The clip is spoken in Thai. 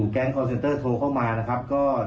ครับ